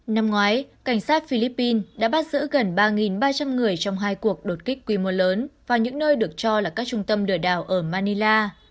năm ngoái cảnh sát philippines đã bắt giữ gần ba ba trăm linh người trong hai cuộc đột kích quy mô lớn vào những nơi được cho là các trung tâm lừa đảo ở manila